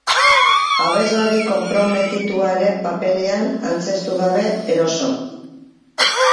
Abeslari konprometituaren paperean antzeztu gabe, eroso.